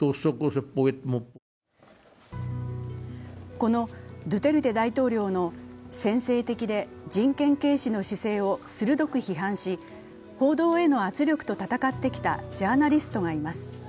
このドゥテルテ大統領の専制的で人権軽視の姿勢を鋭く批判し報道への圧力と闘ってきたジャーナリストがいます。